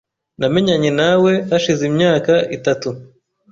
Namenyanye nawe hashize imyaka itatu .